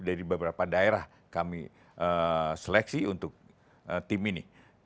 dari beberapa daerah kami seleksi untuk tim ini